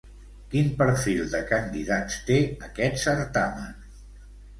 Quin perfil de candidats té aquest certamen?